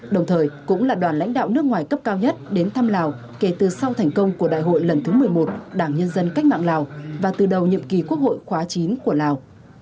đồng thời cũng là đoàn lãnh đạo nước ngoài cấp cao nhất đến thăm lào kể từ sau thành công của đại hội lần thứ một mươi một đảng nhân dân cách mạng lào và từ đầu nhiệm kỳ quốc hội khóa chín của lào